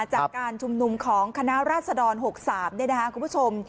จากการชุมนุมของคณะราษฎร๖๓คุณผู้ชม